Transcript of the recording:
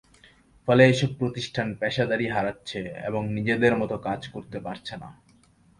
ফলে এসব প্রতিষ্ঠান পেশাদারি হারাচ্ছে এবং নিজেদের মতো কাজ করতে পারছে না।